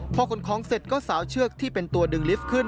พอขนของเสร็จก็สาวเชือกที่เป็นตัวดึงลิฟต์ขึ้น